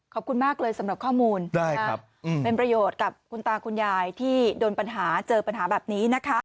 ขอบคุณมากเลยสำหรับข้อมูลเป็นประโยชน์กับคุณตาคุณยายที่โดนปัญหาเจอปัญหาแบบนี้นะคะ